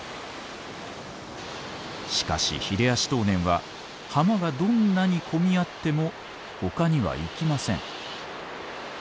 しかしヒレアシトウネンは浜がどんなに混み合っても他には行きません。